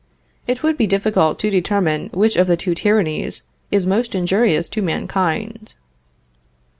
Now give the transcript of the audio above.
It would be difficult to determine which of the two tyrannies is most injurious to mankind.